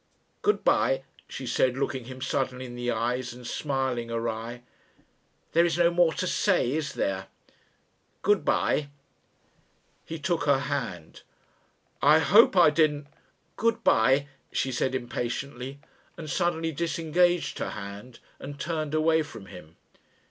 "Good bye," she said, looking him suddenly in the eyes and smiling awry. "There is no more to say, is there? Good bye." He took her hand. "I hope I didn't " "Good bye," she said impatiently, and suddenly disengaged her hand and turned away from him.